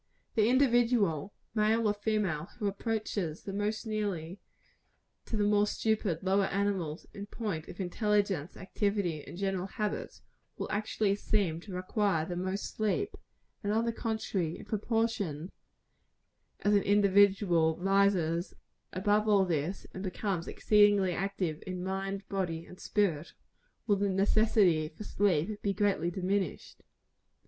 The individual, male or female, who approaches most nearly to the more stupid lower animals in point of intelligence, activity and general habits, will actually seem to require the most sleep; and, on the contrary, in proportion as an individual rises above all this, and becomes exceedingly active in mind, body and spirit, will the necessity for sleep be greatly diminished.